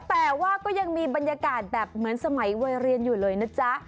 แต่ว่าก็ยังมีบรรยากาศแบบเหมือนสมัยวัยเรียนอยู่เลยนะจ๊ะ